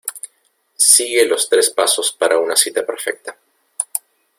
sigue los tres pasos para una cita perfecta.